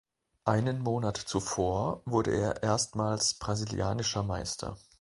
Einen Monat zuvor wurde er erstmals Brasilianischer Meister.